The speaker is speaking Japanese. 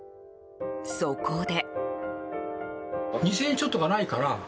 そこで。